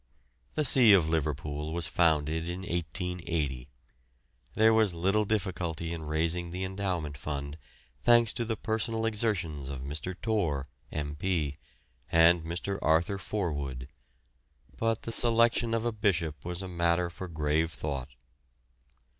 The see of Liverpool was founded in 1880. There was little difficulty in raising the endowment fund, thanks to the personal exertions of Mr. Torr, M.P., and Mr. Arthur Forwood, but the selection of a bishop was a matter for grave thought.